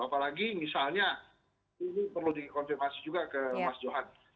apalagi misalnya ini perlu dikonfirmasi juga ke mas johan